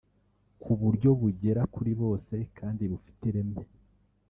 ku buryo bugera kuri bose kandi bufite ireme